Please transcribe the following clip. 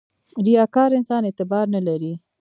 • ریاکار انسان اعتبار نه لري.